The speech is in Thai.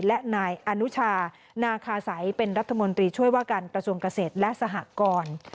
และนายอนุชานาคาสัยเป็นรัฐมนตรีช่วยว่าการกระทรวงเกษตรและสหกร